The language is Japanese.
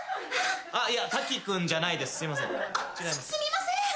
すみません！